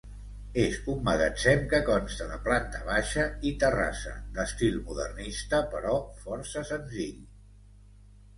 És un magatzem que consta de planta baixa i terrassa d'estil modernista però força senzill.